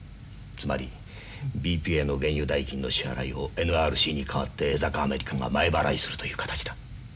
つまりＢＰへの原油代金の支払いをＮＲＣに代わって江坂アメリカが前払いするという形だ。